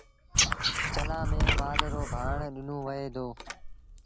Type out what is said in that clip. چلآݩ ميݩ مآل رو ڀآڻ ڏنو وهي دو۔